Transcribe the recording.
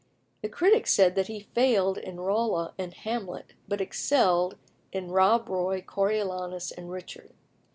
The critics said that he failed in Rolla and Hamlet, but excelled in Rob Roy, Coriolanus, and Richard.